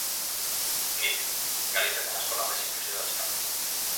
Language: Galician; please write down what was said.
Mire: Galicia ten a escola máis inclusiva de España.